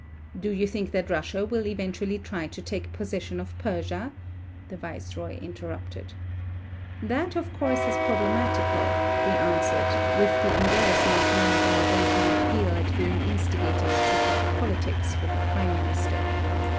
"Do you think that Russia will eventually try to take possession of Persia?" the viceroy interrupted. "That, of course, is problematical," we answered, with the embarrassment men of our age might feel at being instigated to talk politics with a prime minister.